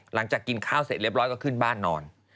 หลังจากกินข้าวเสร็จเรียบร้อยก็ขึ้นบ้านนอน